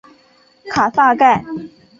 卡萨盖。